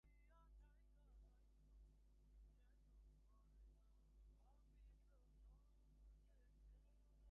তবে, মানুষের সম্পর্কের ভিত শক্ত করতে চোখে চোখে থাকা অবশ্যই গুরুত্বপূর্ণ।